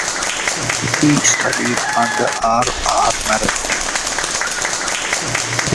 He studied under R. R. Marett.